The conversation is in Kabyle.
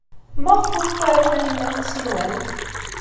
Maɣef ur tewwi ara Taninna tasiwant?